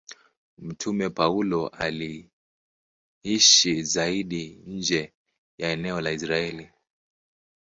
Mtume Paulo aliishi zaidi nje ya eneo la Israeli.